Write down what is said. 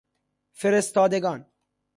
فرستادگان